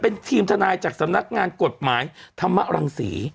เป็นทีมทนายจากสำนักงานกฎหมายธรรมรังศรี